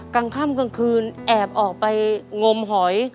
กลางค่ำกลางคืนแอบออกไปงมหอย